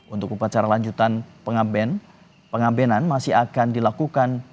untuk upacara lanjutan pengabenan masih akan dilakukan